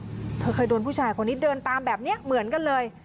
เธอเคยโดนผู้ชายคนนี้เดินตามแบบนี้เหมือนกันเลย